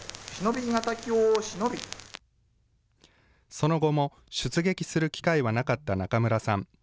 その後も出撃する機会はなかった中村さん。